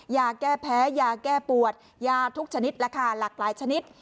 ยาแก้แพ้ยาแก้ปวดยาทุกชนิดราคาหลากหลายชนิด